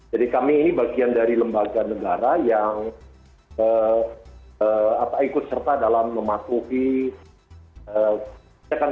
jadi kami ini bagian dari lembaga negara yang ikut serta dalam membuat kesehatan